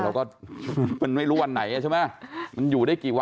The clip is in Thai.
เราก็ไม่รู้วันไหนใช่ไหมมันอยู่ได้กี่วันน่ะ